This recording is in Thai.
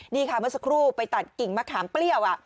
นี่ค่ะเมื่อสักครู่ไปตัดกิ่งมะขามเปรี้ยว